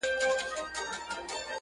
چي نه دي وينم، اخير به مي هېر سى.